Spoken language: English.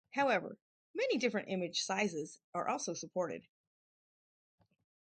However, many different image sizes are also supported.